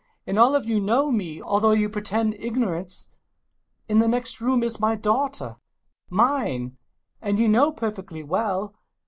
And all of you know me, although you pretend ignorance In the next room is my daughter — mine, as you know perfectly well.